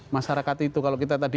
masyarakat itu kalau kita tadi